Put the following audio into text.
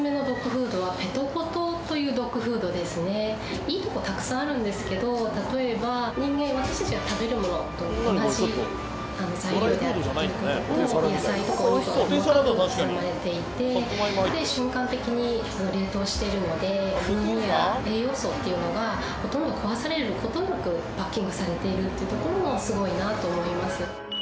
私がいいとこたくさんあるんですけど例えば人間私たちが食べるものと同じ材料であるという事と野菜とかお肉が細かく刻まれていて瞬間的に冷凍しているので風味や栄養素っていうのがほとんど壊される事なくパッキングされているっていうところもすごいなと思います。